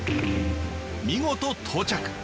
見事到着。